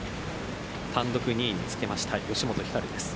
単独２位につけました吉本ひかるです。